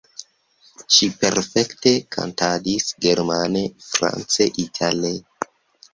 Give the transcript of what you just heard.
Ŝi perfekte kantadis germane, france, itale.